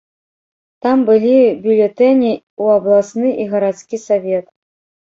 Там былі бюлетэні ў абласны і гарадскі савет.